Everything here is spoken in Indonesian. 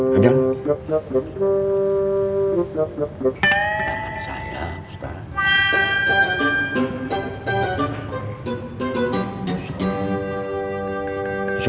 habis tak berbahasa